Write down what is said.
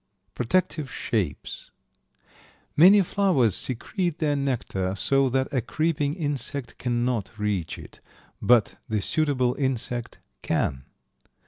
Protective shapes. Many flowers secrete their nectar so that a creeping insect cannot reach it, but the suitable insect can.